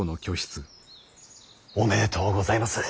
おめでとうございます。